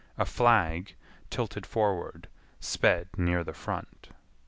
A flag, tilted forward, sped near the front.